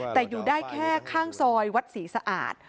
แต่อยู่ได้แค่ข้างซอยวัดศรีสะอาด